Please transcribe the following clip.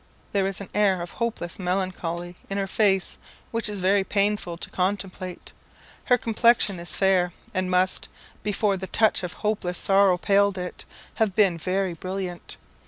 There is an air of hopeless melancholy in her face which is very painful to contemplate. Her complexion is fair, and must, before the touch of hopeless sorrow paled it, have been very brilliant.